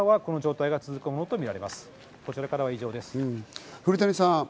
こちらからは以上です。